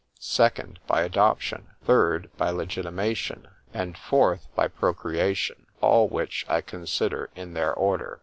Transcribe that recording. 2d, by adoption. 3d, by legitimation. And 4th, by procreation; all which I consider in their order.